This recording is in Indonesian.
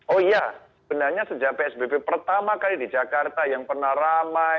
oh iya sebenarnya sejak psbb pertama kali di jakarta yang pernah ramai